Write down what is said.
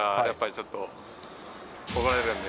やっぱりちょっと怒る。